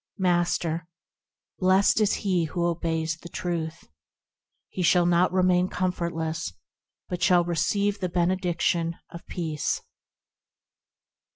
Master. Blessed is he who obeys the Truth, He shall not remain comfortless, but shall receive the benediction of peace.